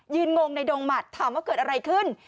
งงในดงหมัดถามว่าเกิดอะไรขึ้น